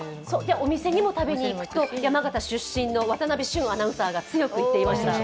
お店にも食べにいくと、山形出身の渡部峻アナウンサーも強く言っていました。